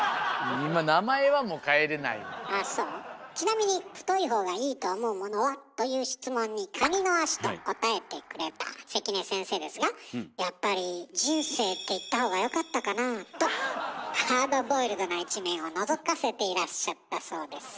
ちなみに「太いほうがいいと思うものは？」という質問に「カニのあし」と答えてくれた関根先生ですが「やっぱり『人生』って言ったほうがよかったかな？」とハードボイルドな一面をのぞかせていらっしゃったそうです。